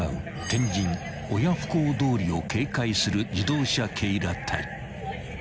天神親不孝通りを警戒する自動車警ら隊］